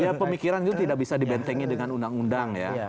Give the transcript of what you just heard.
ya pemikiran itu tidak bisa dibentengi dengan undang undang ya